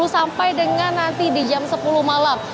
sampai dengan nanti di jam sepuluh malam